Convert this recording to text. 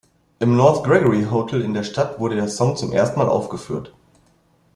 Im North Gregory Hotel in der Stadt wurde der Song zum ersten Mal aufgeführt.